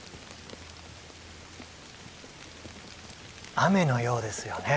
雨のようですよね。